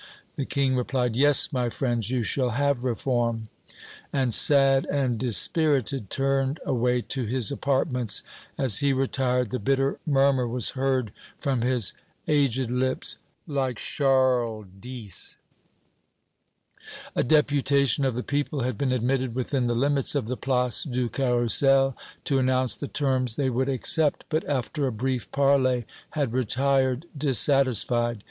The King replied, "Yes, my friends, you shall have reform," and sad and dispirited turned away to his apartments; as he retired the bitter murmur was heard from his aged lips, "Like Charles X." A deputation of the people had been admitted within the limits of the Place du Carrousel to announce the terms they would accept, but after a brief parley had retired dissatisfied.